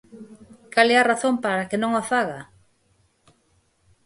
¿Cal é a razón para que non o faga?